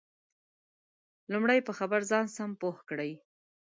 لمړی په خبر ځان سم پوه کړئ